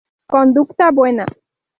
Conducta buena.